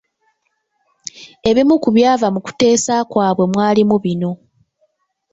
Ebimu ku byava mu kuteesa kwabwe mwalimu bino: